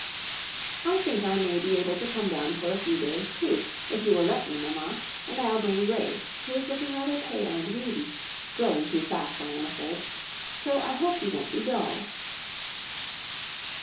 "I think I may be able to come down for a few days too, if you will let me, mamma; and I'll bring Grace, who is looking rather pale and weedy; growing too fast, I'm afraid. So I hope you won't be dull."